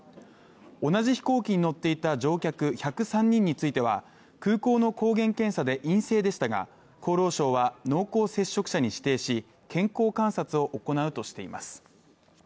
同じ飛行機に乗っていた乗客１０３人については空港の抗原検査で陰性でしたが、厚労省は濃厚接触者に指定し健康観察を行うとしています。